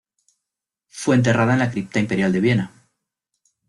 Fue enterrada en la Cripta Imperial de Viena.